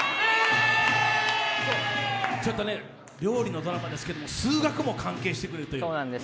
料理のドラマですけど数学も関係してくるという。